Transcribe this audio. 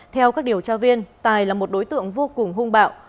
theo các điều tra viên tài là một đối tượng vô cùng hung bạo